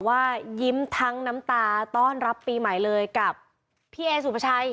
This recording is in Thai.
ว่ายิ้มทั้งน้ำตาต้อนรับปีใหม่เลยกับพี่เอสุภาชัย